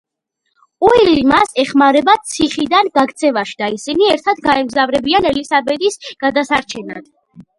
უილი მას ეხმარება ციხიდან გაქცევაში და ისინი ერთად გაემგზავრებიან ელისაბედის გადასარჩენად.